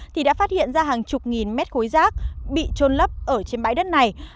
thì đã phát hiện ra hàng chục nghìn mét khối rác bị trôn lấp ở trên bãi đất này